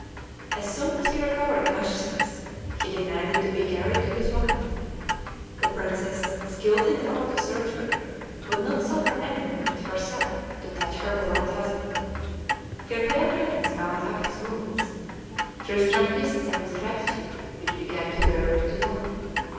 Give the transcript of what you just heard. As soon as he recovered consciousness he demanded to be carried to his wife. The princess, skilled in the art of surgery, would not suffer any one but herself to touch her beloved husband. Her fair hands bound up his wounds; Tristram kissed them with gratitude, which began to grow into love.